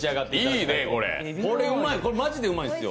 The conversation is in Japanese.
これうまい、マジでうまいんですよ。